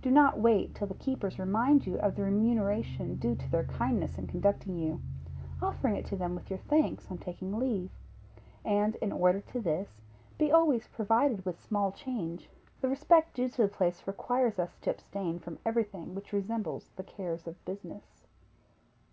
Do not wait till the keepers remind you of the remuneration due to their kindness in conducting you; offering it to them with your thanks on taking leave; and in order to this, be always provided with small change. The respect due to the place requires us to abstain from everything which resembles the cares of business.